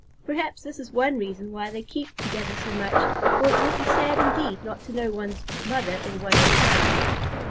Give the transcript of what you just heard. Perhaps this is one reason why they keep together so much, for it would be sad indeed not to know one's mother or one's child.